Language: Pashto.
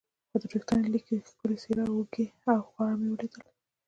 خو د وریښتانو لیکې، ښکلې څېره، اوږې او غاړه مې ولیدل.